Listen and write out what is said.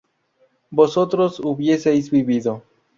vosotros hubieseis vivido